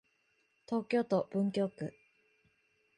東京都文京区